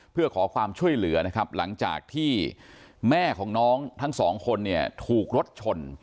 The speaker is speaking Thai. เพื่อขอความช่วยเหลือหลังจากที่แม่ของน้องทั้ง๒คนถูกรจชน